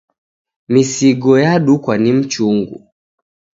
Misigo yadukwa ni mchungu